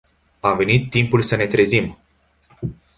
A venit timpul să ne trezim.